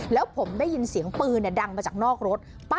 แล้วผมได้ยินเสียงปืนดังมาจากนอกรถ